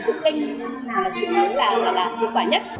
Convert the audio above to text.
chủ yếu là hiệu quả nhất